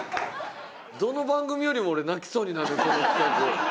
どの番組よりも俺泣きそうになるこの企画。